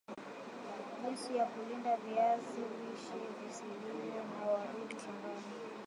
jinsi ya kulinda viazi lishe visiliwe na wadudu shambani